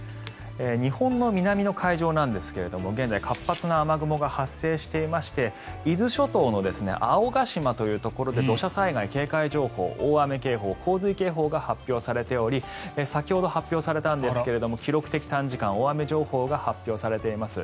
日本の南の海上なんですが現在、活発な雨雲が発生していまして伊豆諸島の青ヶ島というところで土砂災害警戒情報大雨警報、洪水警報が発表されており先ほど発表されたんですが記録的短時間大雨情報が発表されています。